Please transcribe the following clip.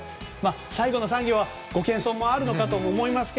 最後の３行はご謙遜もあるのかと思いますが。